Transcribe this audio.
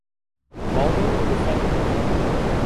Molde were the defending champions.